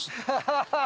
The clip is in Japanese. ハハハハ！